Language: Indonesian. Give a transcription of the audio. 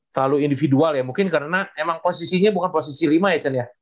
terlalu individual ya mungkin karena emang posisinya bukan posisi lima ya cen ya